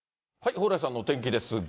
蓬莱さんのお天気ですが。